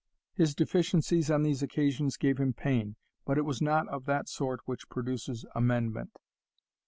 His deficiencies on these occasions gave him pain, but it was not of that sort which produces amendment.